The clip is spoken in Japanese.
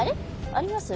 あります？